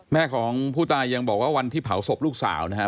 แม่ของผู้ตายยังบอกว่าวันที่เผาศพลูกสาวนะฮะ